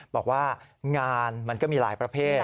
บอกว่างานมันก็มีหลายประเภท